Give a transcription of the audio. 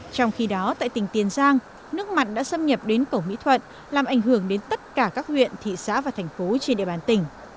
trong khi đó tại tỉnh tiền giang nước mặn đã xâm nhập đến cầu mỹ thuận làm ảnh hưởng đến tất cả các huyện thị xã và thành phố trên địa bàn tỉnh